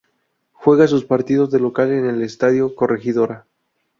Juega sus partidos de local en el Estadio Corregidora.